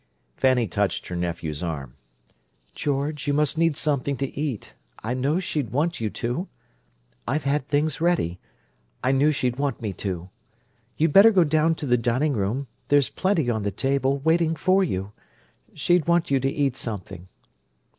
Fanny touched her nephew's arm. "George, you must need something to eat—I know she'd want you to. I've had things ready: I knew she'd want me to. You'd better go down to the dining room: there's plenty on the table, waiting for you. She'd want you to eat something."